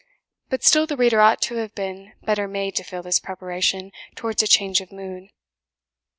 But still the reader ought to have been better made to feel this preparation towards a change of mood.